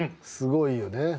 すごいよね。